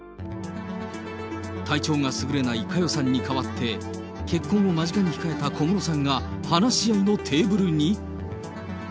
体調がすぐれない佳代さんに代わって、結婚を間近に控えた小室さんが話し合いのテーブルに？